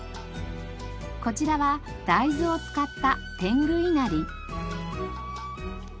こちらは大豆を使ったてんぐいなり。